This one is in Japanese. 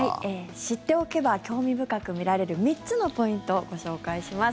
知っておけば興味深く見られる３つのポイントご紹介します。